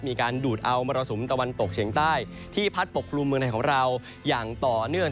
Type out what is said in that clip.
มีการดูดเอามรสุมตะวันตกเฉียงใต้ที่พัดปกกลุ่มเมืองไทยของเราอย่างต่อเนื่อง